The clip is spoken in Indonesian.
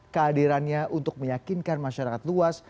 kehadirannya untuk meyakinkan masyarakat luas